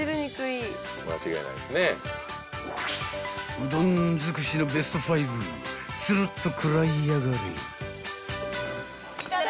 ［うどん尽くしのベスト５ツルッと食らいやがれ］